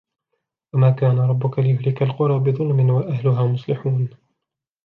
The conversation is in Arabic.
وما كان ربك ليهلك القرى بظلم وأهلها مصلحون